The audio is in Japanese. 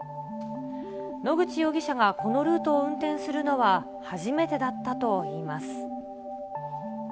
野口容疑者がこのルートを運転するのは初めてだったといいます。